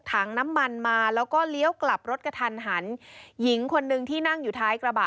ถังน้ำมันมาแล้วก็เลี้ยวกลับรถกระทันหันหญิงคนนึงที่นั่งอยู่ท้ายกระบะ